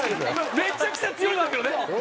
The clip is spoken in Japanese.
めちゃくちゃ強いんだけどね。